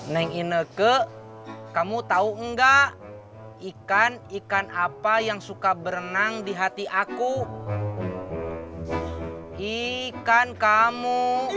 neng ineke kamu tahu enggak ikan ikan apa yang suka berenang di hati aku ikan kamu